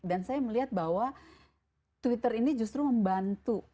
dan saya melihat bahwa twitter ini justru membantu